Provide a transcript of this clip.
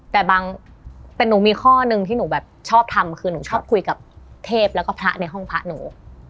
แต่บางแต่หนูมีข้อหนึ่งที่หนูแบบชอบทำคือหนูชอบคุยกับเทพแล้วก็พระในห้องพระหนู